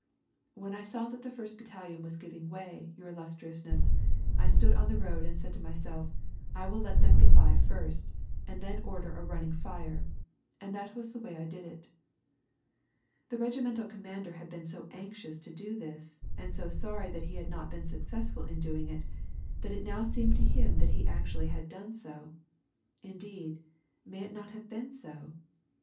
" When I saw that the first battalion was giving way, your illustriousness, I stood on the road and said to myself, < I will let them get by first, and then order a running fire,' and that was the way I did.'' The regimental commander had been so anxious to do this, and so sorry that he had not been successful in doing it, that it now seemed to him that he actually had done so. Indeeil, may it not have been so